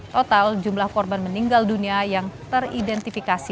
total jumlah korban meninggal dunia yang teridentifikasi